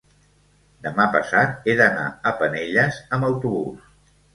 demà passat he d'anar a Penelles amb autobús.